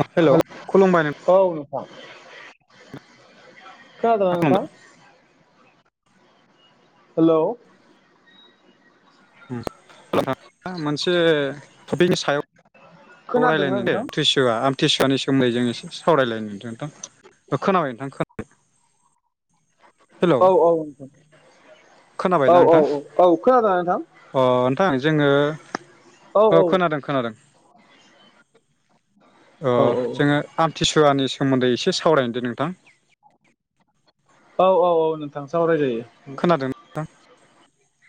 आ हेल' खुलुमबाय नों [inaudible] खोनादोना नोंथां? हेलौ [unintelligible] मोनसे थफिगनि सायाव खौ खोनादोंना रायलायनि दै नोंथां? थिसुवा आमथिसुवानि सोमोनदै जोंङो एसे सावरायलायनो नोंथां खोनाबाय नोंथां खोना हेल' औ औ नोंथां औ खोनाबायना औ नोंथां औ औ खोनादोंना नोंथां? जोंङो औ खोनादों खोनादों। ओ औ जोंङो आमथिसु सुवानि सोमोन्दै एसे सावरायनि दे नोंथां। औ औ औ नोंथां सावरायजायो। खोनादों नोंथां।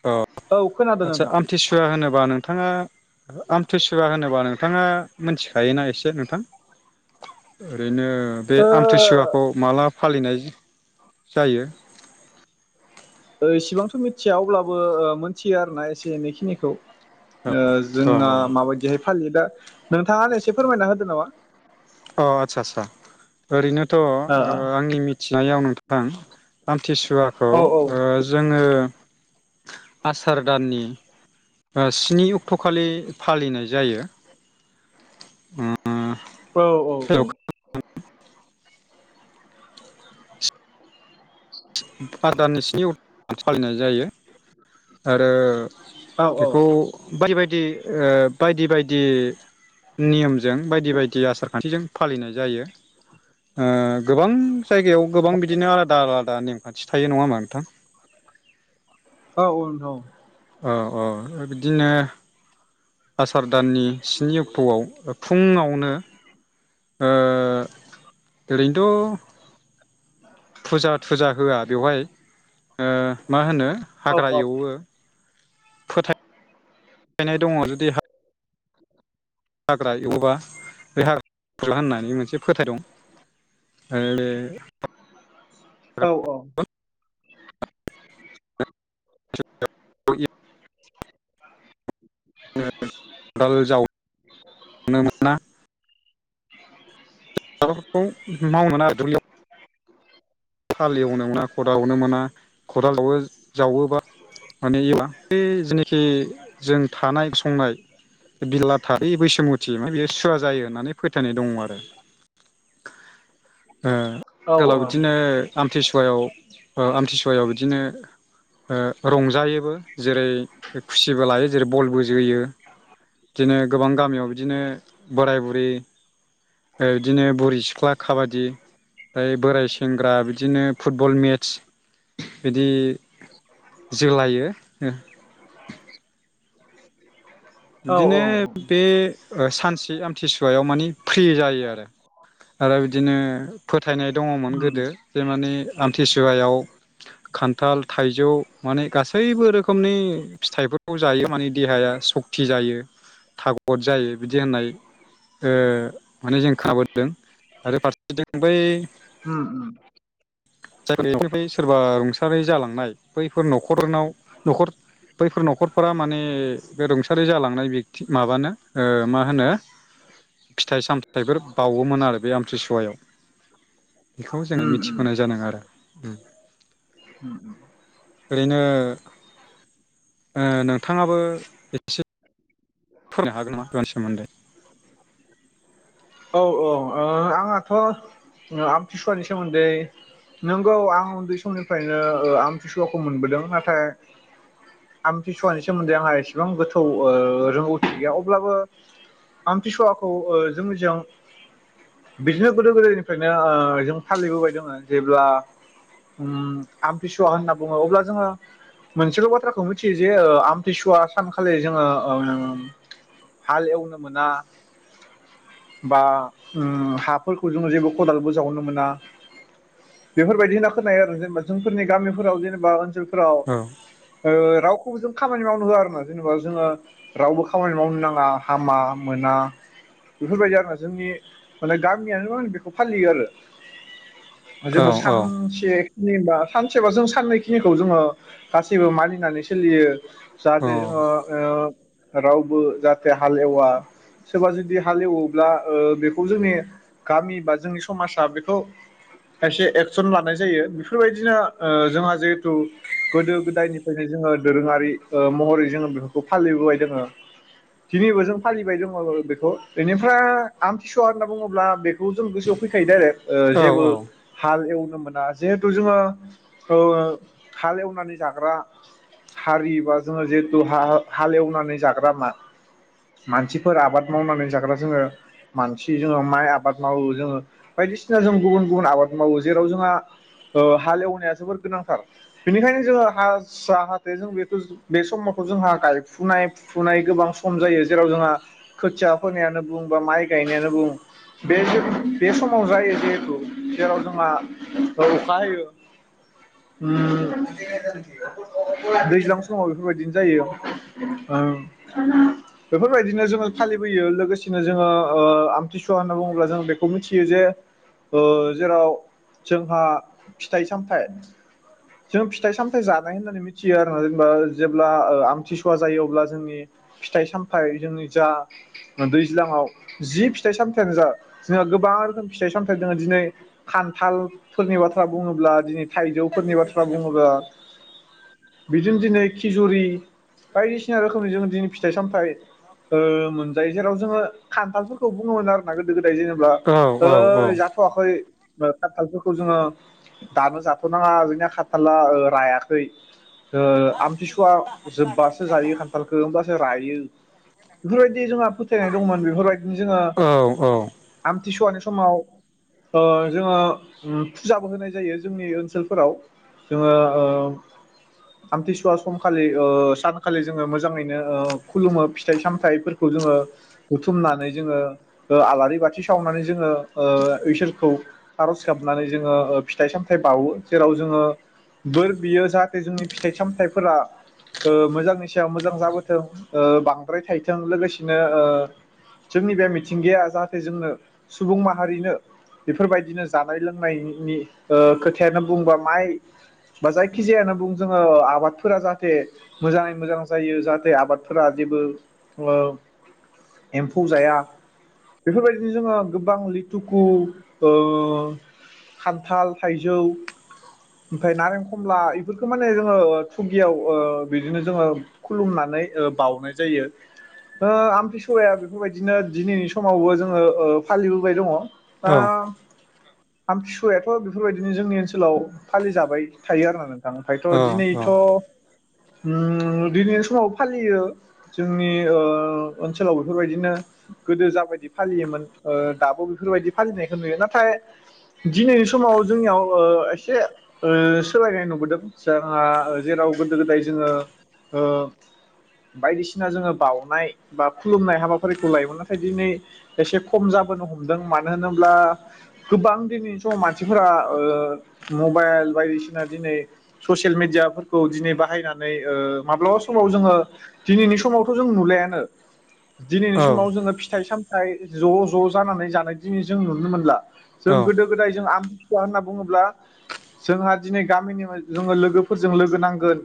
औ औ खोनादों आदसा नोंथां आमथिसुवा होनोब वा नोंथाङा आमथिसुवा होनोबा नोंथाङा मिथिखायोना एसे नोंथां ओरै बेदिनो बे आमथिसुवाखौ माला फालिनाय जायो। ओ इसिबांथ' मिथिया अब्लाबो ओ‌ मिथियो आरोना एसे एनै खिनिखौ। औ ओ औ जोंना माबायदिहाय फालि दा नोंथाङानो एसे फोरमायना होदो नामा। अ आतसा आचसा ओरैनो थ ओ औ आंनि मिथि नायाव नोंथां [unintelligible] थिसुवाखौ ओ औ जोङो। आसार दाननि बा स्नि अक्ट खालि फालिनाय जायो। ओम। औ औ औ। आसार दाननि स्नि अक्ट फालिनाय जायो। आरो औ बेखौ बायदि बायदि ओ। बायदि बायदि नियमजों बायदि बायदि आसार खान्थिजों फालिनाय जायो। ओ गोबां जायगायाव गोबां बिदिनो आलादा आलाद आ नेमखान्थि थायो नङा होमबा नोंथां? औ नोंगौ अ अ ओ बिदिनो। आसार दाननि स्नि अक्टआव फुंङावनो। ओ। ओरैनोथ। फुजा थुजा होआ बेवहाय। ओ मा होनो औ हाग्रा औ एवो। फोथाय यनाय दङ जुदि हा हाग्रा एवोबा बे हाग [unintelligible] औ [unintelligible] खदाल जाव नो मोना। हाबाफोरखौ मावनो मोना दुब्लियाव। हाल एवनो मोना खदालावनो मोना खदालावो जावोबा माने एबा बे जिनाखि जों। थानाय संनाय बिला था बैसुमुथि बेयो सुवा जायो होननानै फोथायनाय दङ आरो। ओ आथिखालाव औ बिदिनो। औ आमथिसुवायाव ओ आमथिसुवायाव बिदिनो रंजायोबो जेरै खुसिबो लायो जेरै बलबो जोयो बिदिनो गोबां गामियाव बिदिनो बोराय बुरि बिदिनो बुरि सिख्ला खाबादि ओाय बोराय सेंग्रा बिद बिदिनो फुटबल मेटस बिदि। जोलायो ओ। [inaudible] औ बिदिनो औ उम बे सानसे आमथि सुवायाव मानि फ्रि जायो आरो। आरो बिदिनो। फोथायनाय दङमोन गोदो उम जे माने आम थि सुवायाव खान्थाल थायजौ माने गासैबो रोखोमनि फिथाइफोरखौ जायो माने देहाया सुख फि जायो थागद जायो बिदि होननाय ओ माने जों खोनाबोदों आरो फारसेथिं बै उम जायफोर बेफोरनि सोरबा रुंसारि जालांनाय बैफोर न' खरनाव न'खर बैफोर न'खरफोरा माने बे रुंसारि जालांनाय बेकति माबानो ओ मा होनो फिथाय सामथायफोर बावोमोन आरो बे आमतिसुवायाव बेखौ जोङो उम मिथि आरो अम अम अम ओरैनो ओ नोंथाङाबो एसे फोरमायनो हागोन नामा दान सोमोन्दै औ औ आंहाथ' आमथिसुवानि सोमोन्दै नोंगौ आं उन्दै समनिफ्रायनो आमथिसुवाखौ मोनबोदों नाथाय आमथिसुवानि सोमोन्दै आंहा एसेबां ओ गोथौ रोंगौथि गैया अब्लाबो आमथिसुवाखौ जोंनिजों बिदिनो गोदो-गोदायनिफ्रायनो जों फालिबोबाय दङ जेब्ला अम आम्थिसुवा होनना बुङो अब्ला जोंङो मोनसेल' बाथ्राखौ मिथियो जे ओ आमथिसुवा सानखालि जोंङो हाल एवनो मोना बा हाफोरखौ जोंङो जेबो खदालबो जावनो मोना बेफोरबायदि होनना खोनाय आरो जेनेबा जोंफोरनि गामिफोराव जेनेबा ओनसोल फोराव ओ राव खौबोजों खामानि मावनो होआ आरो ना जेनेबा जोंङो रावबो खामानि मावनो नाङा हामा मोना बेफोरबायदि आरो जोंनि माने गामियानो आं बेखौ फालियो आरो जोंङो सानसे जेनबा सानसेबा जों साननै खिनिखौ जोंङो गासैबो मानिनानै सोलियो जाथे जोङो ओ रावबो जाहाथे हालेवा सोरबा जुदि हालेवो बला ओ बेखौ जोंनि गामि बा जोंनि समाजा बेखौ खायसे एक्सन लानाय जायो बेफोरबायदिनो जोंहा जिहेथु गोदो गोदायनिफ्रायनो जोंङो दोरोङारि ओ महरै जोंङो बेफोरखौ फालिबोबाय दङो दिनैबो जों फालिबाय दङ बेखौ बेनि फ्रा आमथिसुवा होनना बुङोब्ला बेखौ जों गोसोआव फैखायो दायरेक जेबो हाल एव मोना जिहेथु जोंङो ओ हाल एवनानै जाग्रा हारि बा जोंङो जिहेतु हा-हालेवनानै जाग्रा मा-मानसिफोर आबाद मावनानै जाग्रा जोंङो मानसि जोंङो माय आबाद मावो जोंङो बायदिसिना जों गुबुन-गुबुन आबाद मावो जेराव जोंहा हालेवनाया जोबोर गोनांथार बेनिखायनो जोंङो हा जाहाथे जों बेखौ बे समथ जोंहा गायफुनाय फुनाय गोबां सम जायो जेराव जोंहा खोथिया फोनायानो बुंबा माय गायनायानो बुं बे बे समाव जायो जेथु जेराव जोंहा अखा हायो अम दैज्लां समाव बेफोरबायदिनो जायो बेफोरबायदिनो जोंङो फालिबोयो लोगोसे दिनै जोंङो आमथिसुवा होनना बुङोब्ला जों बेखौ मिथियो जे ओ जेराव जोंहा फिथाय सामथाय जों फिथाइ सामथाय जानाय होननानै मिथियो आरोना जेनेबा जेब्ला आमथिसुवा जायो अब्ला जोंनि फिथाइ सामथायाय जोंनि जा दै दैज्लांआव जि फिथाय सामथायानो जा जोंहा गोबां रोखोमनि फिथाय सामथायाइ दङ दिनै खान्थालफोरनि बाथ्रा बुङोब्ला दिनै थाइजौफोरनि बाथ्रा बुङोब्ला बिदिनो दिनै खिजुरि बायदिसिना रोखोमनि जोंङो दिनै फिथाय सामथायाइ ओ मोनजायो जेराव जोङो खान्थालफोरखौ बुङोमोन आरो ना गोदो गो जेनेबा ओ जाथ'वा फै खाथालफोरखौ जोंङो दानो जाथ'नाङा जोंनिया खानथाला रायाखै ओ आमथिसुवा जोबबासो जायो खान्थालखौ होमब्लासो रायो बेफोरबायदि जोंहा फोथायनाय दंमोन बेफोरबायदिनो जोंङो जोंनिथिंबो आमथिसुवानि समाव ओ जोंङो फुजाबो होनाय जायो जोंनि ओनसोलफोराव जोंङो ओ आमथिसुवा सानखालि जोंङो मोजाङैनो ओ मोजाङैनखुलुमो फिथाइ सामथफोरखौ जोंङो बुथुमनानै जोंङो ओ आलारि बाथि सावनानै जोंङो ओ इसोरखौ आरज गाबनानै जोङो ओ फिथाय सामथाइ बावो जेराव जोंङो बोर बियो जाहाथे जोंनि फिथाय सामथाइफोरा ओ मोजांनि सायाव मोजां जाबोथों ओ बांद्राय थाइथों लोगोसेनो ओ जोंनि बे मिथिंगाया जाहाथे जोंनो सुबुं माहारिनो बेफोरबायदिनो जानाय लोंनायनि ओ खोथायानो बुंबा माय बा जायखिजायानो बुं जोङो आबादफोरा जाहाथे मोजाङै मोजां जायो जाहाथे आबादफोरा जेबो ओ एम्फौ जाया बेफोरबायदिनो जोङो गोबां लिथुखु ओ खान्थाल थाइजौ ओमफ्राय नारें कमला बेफोरखौ माने जोङो थुगियाव ओ बिदिनो जोङो खुलुमनानै ओ बाउनाय जायो आमथिसुवाया बेफोरबायदिनो दिनैनि समावबो जोंङो ओ फालिबोबाय दङ दा आमतिसुवायाथ' बेफोरबायदिनो जोंनि ओनसोलाव फालिजाबाय थायो आरो ना नों आ ओमफायथ' दिनैथ' ओम दिनैनि समाव फालियो जोंनि ओ ओनसोल ओनोलाव बेफोरबायदिनो गोदो जाबायदि फालियोमोन ओ दाबो बेफोरबायदि फालिनायखौ नुयो नाथाय दिनैनि समाव जोंनियाव ओ एसे ओ सोलायनाय नुबोदों जोंहा जेराव गोदो गोदाय जोङो ओ बायदिसिना जोङो बाउनाय बा खुलुमनाय हाबाफारिखौ लायोमोन नाथाय दिनै एसे खम जाबोनो हमदों मानो होनोब्ला गोबां दिनैनि समाव मानसिफोरा ओ मबाइल बायदिसिना दिनै ससियेल मिडियाफोरखौ दिनै बाहायनानै ओ माब्लाबा समाव जोङो दिनैनि समावथ' जों नुलायानो दिनैनि समाव जोङो फि फिथाइ सामथाइ ज' ज' जानानै जानाय दिनै जों नुनो मोनला जों गोदो गोदाय जों आमथिसुवा होनना बुङोब्ला जोंहा दिनै गामिनि जोङो लोगोफोरजों लोगो नांगोन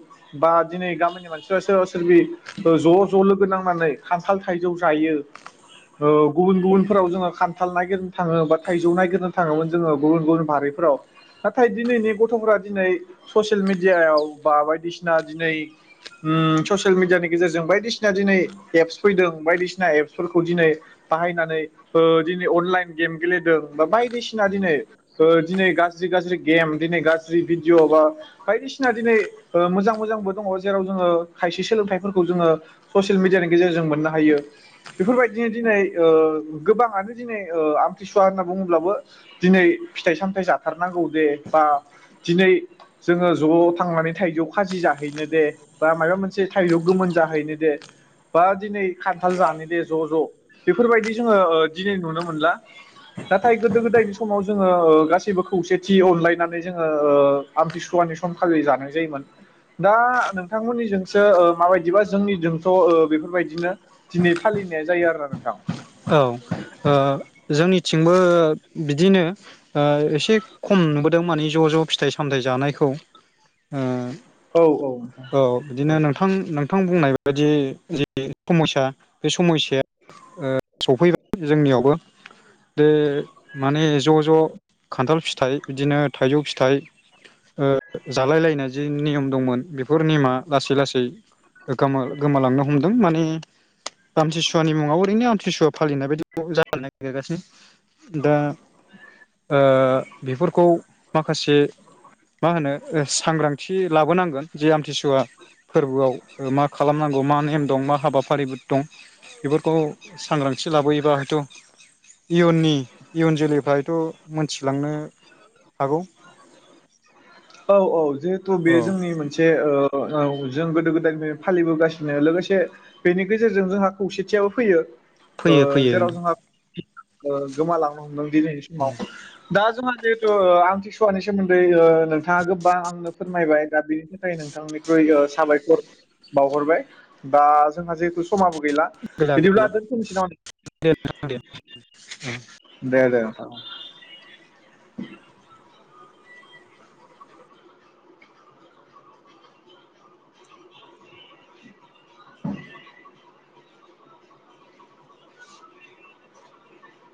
बा दिनै गामिनि मानसिफ्रा सोरबा सोरबि ओ ज' ज' लोगो नांनानै खान्थाल थाइजौ जायो गुबुन गुबुनफोराव जोङो खान्थाल नायगिरनो थाङो बा थाइजौ नायगिरनो थाङोमोन जोङो गुबुन गुबुन बारिफोराव नाथाय दिनैनि गथ'फोरा दिनै ससियेल मेडियायाव बा बायदिसिना दिनै ओम ससियेल मेडियानि गेजेरजों बायदिसिना दिनै एप्स फैदों बायदिसिना एप्सफोरखौ दिनै बाहायनानै दिनै अनलाइन गेम गेलेदों बा बायदिसिना दिनै दिनै ओ गाज्रि गाज्रि गेम दिनै गाज्रि भिडिअ बा बायदिसिना ओ दिनै मोजां मोजांबो दङ जेराव जोङो खायसे सोलोंथाइफोरखौ जोङो ससियेल मिडियानि गेजेरजों मोननो हायो बेफोरबायदिनो दिनै ओ गोबाङानो दिनै ओ आमथिसुवा होनना बुङोब्लाबो दिनै फिथाइ सामथाइ जाथारनांगौ दे बा दिनै जोङो ज' थांनानै थाइजौ खाजि जाहैनो दे बा माबा मोनसे थाइजौ गोमोन जाहैनो दे बा दिनै खान्थाल जानो दे ज' ज' बेफोरबायदि जोङो दिनै नुनो मोनला नाथाय गोदो गोदायनि समाव जोङो गासैबो खौसेथि अनलायनानै जोङो आमथिसुवानि सम खालि जानाय जायोमोन दा नोंथांमोननिजोंसो माबायदिबा जोंनिजोंथ' ओ बेफोर बेफोरबायदिनो दिनै फालिनाया जायो आरो ना नोंथां। औ ओ जोंनिथिंबो बिदिनो ओ एसे खम नुबोदों मानि ज' ज' फिथाइ सामथायाइ जानायखौ ओ औ औ नोंथां औ बिदिनो नोंथां नोंथां नोंथां बुंनाय बायदि जि समायसा बे समायसाया ओ सफैबाय जोंनियावबो बे माने ज' ज' खान्थाल फिथाइ बिदिनो थाइजौ फिथाइ ओ जालाय लायनाय जि नियम दंमोन बेफोर नियमा लासै लासै गोमा-गोमालांनो हमदों माने आमथिसुवानि मुङाव ओरैनो आमथिसुवा फालिनाय बायदिखौ जानो नागिरगासिनो दा ओ बेफोरखौ माखासे मा होनो सांग्रांथि लाबोनांगोन जे आमथिसुवा फोरबोआव मा खालामनांगौ मा नेम दं मा हाबाफारिबो दं बेफोरखौ सांग्रांथि लाबोयोबा हयथ' इयुननि इयुन जोलैफ्रा हयथ' मोनथिलांनो हागौ औ औ जिहेथु बे औ जोंनि मोनसे ओ औ जों गोदो गोदायनि फालिबोगासिनो लोगोसे बेनि गेजेरजों जोंहा खौसेथियाबो फैयो ओ फैयो फैयो जेराव जोंहा ओ गोमालांनो दिनैनि समाव दा जोंहा जिहेथु आमथि सुवानि सोमोन्दै ओ नोंथां नोंथाङा गोबां आंनो फोरमायबाय दा बेनि थाखाय नोंथांनिख्रुइ साबायखर बावहरबाय दा जोंहा जिहेथु सम समाबो गैला गैला बिदिब्ला गैला जों दोनसैनामा दे नोंथां दे। [inaudible] दे दे [inaudible] [inaudible]